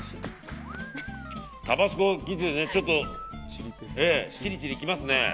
タバスコが効いててちょっとチリチリ来ますね。